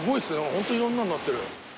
ホントいろんなのになってる。